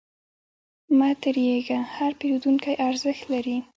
مه تریږه، هر پیرودونکی ارزښت لري.